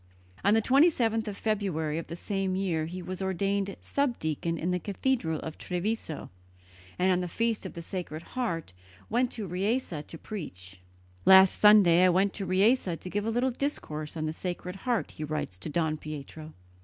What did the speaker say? On the 27th of February of the same year he was ordained subdeacon in the cathedral of Treviso, and on the feast of the Sacred Heart went to Riese to preach. "Last Sunday I went to Riese to give a little discourse on the Sacred Heart," he writes to Don Pietro.